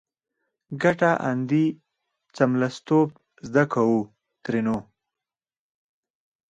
کټه اندي څملستوب زده کو؛ ترينو